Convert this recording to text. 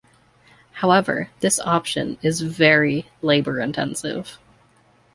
However this option is very labor-intensive.